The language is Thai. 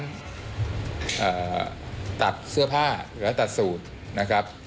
การตัดเสื้อผ้าและถัดสูตร